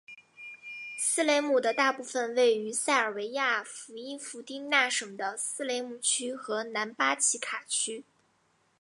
斯雷姆的大部分位于塞尔维亚伏伊伏丁那省的斯雷姆区和南巴奇卡区。